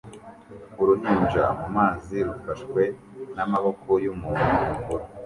Uruhinja mumazi rufashwe namaboko yumuntu mukuru